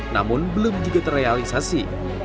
namun belum juga terrealisasi